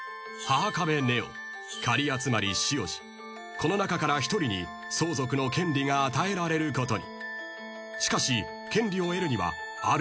［この中から１人に相続の権利が与えられることに］